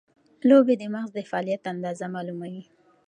لوبې د مغز د فعالیت اندازه معلوموي.